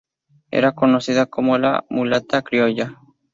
Era conocida como La Mulata Criolla.